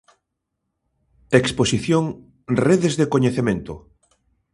Exposición "Redes de coñecemento".